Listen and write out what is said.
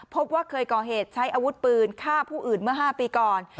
พบว่าเคยก่อเหตุใช้อาวุธปืนฆ่าผู้อื่นเมื่อ๕ปีก่อน